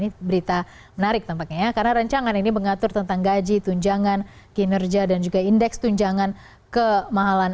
ini berita menarik tampaknya ya karena rancangan ini mengatur tentang gaji tunjangan kinerja dan juga indeks tunjangan kemahalan